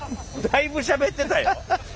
だいぶしゃべってたよ。